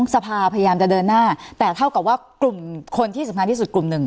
สภาพยายามจะเดินหน้าแต่เท่ากับว่ากลุ่มคนที่สำคัญที่สุดกลุ่มหนึ่ง